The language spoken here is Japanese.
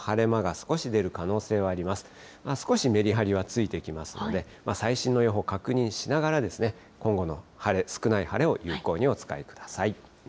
少しメリハリはついてきますので、最新の予報を確認しながら、今後の晴れ、少ない晴れを有効にお使いください。